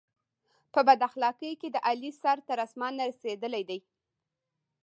په بد اخلاقی کې د علي سر تر اسمانه رسېدلی دی.